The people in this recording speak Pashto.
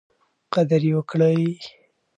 قدر یې وکړئ.